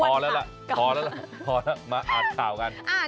อวันต่างกันพอแล้วแหละพอแล้วมาอวัดข่าวกัน